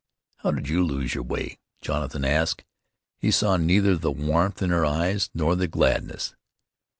"How did you lose your way?" Jonathan asked. He saw neither the warmth in her eyes nor the gladness.